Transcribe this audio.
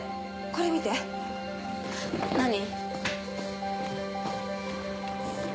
これ見て何？